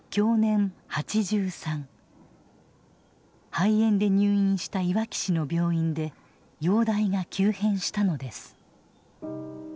肺炎で入院したいわき市の病院で容体が急変したのです。